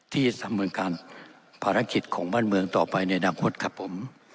ที่ทำคภารกิจบ้านเมืองต่อไปในดังพฤตภาพจากผม